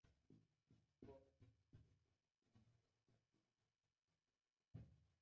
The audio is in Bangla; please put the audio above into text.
পরে শিশুটিকে প্রতিবেশী নাহারের ঘরে আটক রেখে চোর চোর বলে চিৎকার করেন।